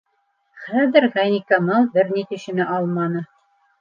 Хәҙер Ғәйникамал бер ни төшөнә алманы.